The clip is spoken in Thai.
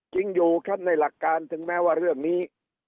จริงอยู่ครับในหลักการถึงแม้ว่าเรื่องนี้